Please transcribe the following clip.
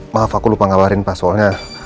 maaf aku lupa ngawarin pak soalnya